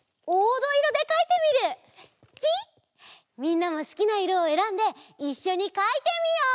みんなもすきないろをえらんでいっしょにかいてみよう！